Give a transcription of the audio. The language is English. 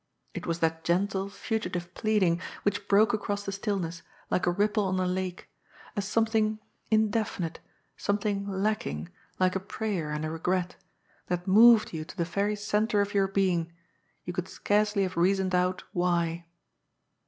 It was that gentle, fugitive pleading which broke across the stillness, like a ripple on a lake, a something indefinite, something lacking, like a prayer and a regret, that moved you to the very centre of your being, you could scarcely have reasoned out why.